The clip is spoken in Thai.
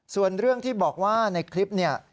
ส่วนเรื่องที่บอกว่าในคลิปเนี่ย